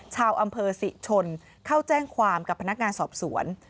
ชาวอำเภอศรีชนเข้าแจ้งความกับพนักงานสอบสวน